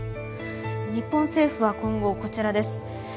日本政府は今後こちらです。